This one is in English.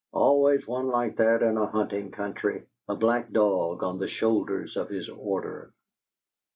"Always one like that in a hunting country!" A black dog on the shoulders of his order.